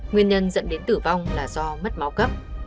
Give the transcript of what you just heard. nguyên nhân dẫn đến tử vong là do mất máu cấp